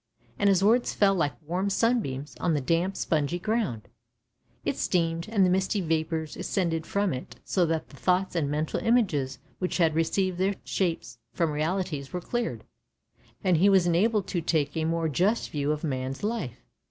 And his words fell like warm sunbeams on the damp spongy ground; it steamed, and the misty vapours ascended from it, so that the thoughts and mental images which had received their shapes from realities were cleared, and he was enabled to take a more just view of man's life.